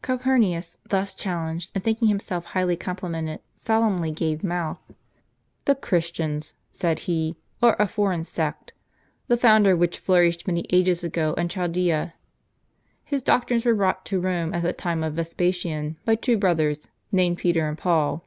Calpurnius, thus challenged, and thinking himself highly complimented, solemnly gave mouth: "The Christians," said he, " are a foreign sect, the founder of which flourished many ages ago in Chaldea. His doctrines were brought to Rome at the time of Vespasian by two brothers named Peter and Paul.